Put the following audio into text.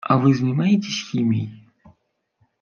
А вы занимаетесь химией?